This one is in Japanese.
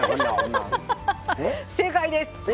正解です！